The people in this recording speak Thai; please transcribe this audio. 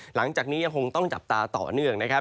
หลังจากนี้ยังคงต้องจับตาต่อเนื่องนะครับ